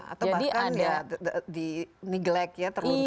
atau bahkan ya di neglek ya terluntar luntar